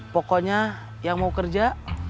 pokoknya yang mau kerja